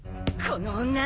この女